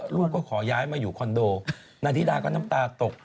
ลูกก็ขอย้ายมาอยู่คอนโดนาธิดาก็น้ำตาตก